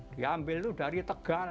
diambil itu dari tegal